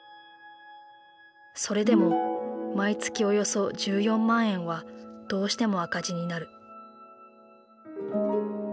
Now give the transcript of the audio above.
それでも毎月およそ１４万円はどうしても赤字になる。